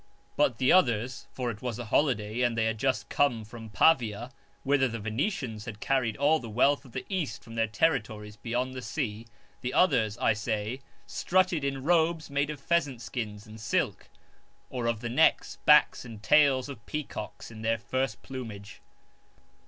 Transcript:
But the others — for it was a holiday and they had just come from Pavia, whither the Venetians had carried all the wealth of the east from their territories beyond the sea — the others, I say, strutted in robes made of pheasant skins and silk ; or of the necks, backs and tails of peacocks in their first plumage.